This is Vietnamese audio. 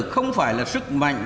không phải là sức mạnh